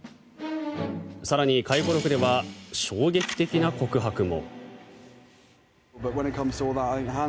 更に、回顧録では衝撃的な告白も。